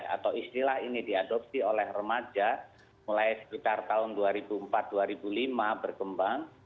atau istilah ini diadopsi oleh remaja mulai sekitar tahun dua ribu empat dua ribu lima berkembang